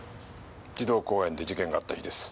児童公園で事件があった日です。